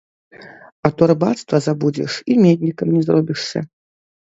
А то рыбацтва забудзеш і меднікам не зробішся.